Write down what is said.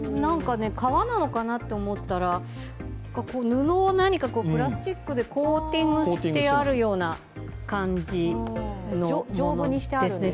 革なのかなって思ったら、布をプラスチックでコーティングしてあるような感じですね。